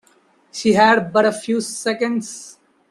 She had but a few seconds.